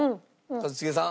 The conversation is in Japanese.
一茂さん。